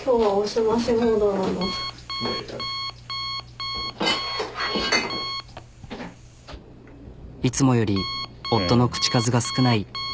何かいつもより夫の口数が少ない。